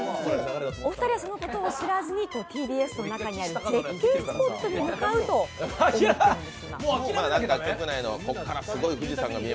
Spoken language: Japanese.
お二人はそのことを知らずにＴＢＳの中にある絶景スポットに向かうと思っております。